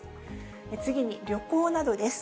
次に、旅行などです。